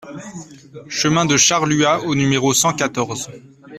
Chemin de Charluat au numéro cent quatorze